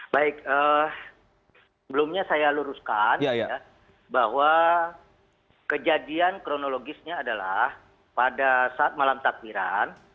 baik sebelumnya saya luruskan bahwa kejadian kronologisnya adalah pada saat malam takbiran